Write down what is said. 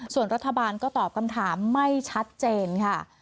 ส่วนรัฐบาลก็ตอบคำถามไม่ชัดเจนค่ะ